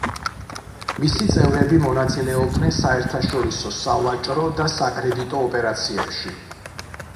მისი წევრები მონაწილეობდნენ საერთაშორისო სავაჭრო და საკრედიტო ოპერაციებში.